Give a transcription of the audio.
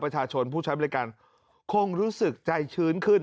ประชาชนผู้ใช้บริการคงรู้สึกใจชื้นขึ้น